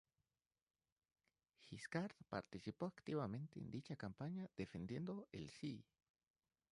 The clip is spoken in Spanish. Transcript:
Giscard participó activamente en dicha campaña defendiendo el "sí".